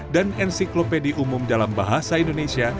dan encyklopedi umum dalam bahasa indonesia